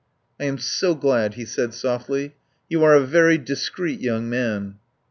"I am so glad," he said softly. "You are a very discreet young man."